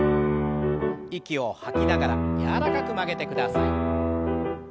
息を吐きながら柔らかく曲げてください。